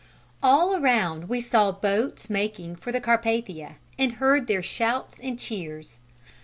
All around we saw boats making for the Carpathia and heard their shouts and cheers.